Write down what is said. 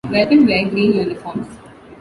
Welpen wear green uniforms.